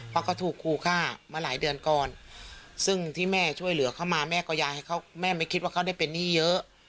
เพราะเขาถูกครูฆ่ามาหลายเดือนก่อนซึ่งที่แม่ช่วยเหลือเขามาแม่ก็อยากให้เขาแม่ไม่คิดว่าเขาได้เป็นหนี้เยอะ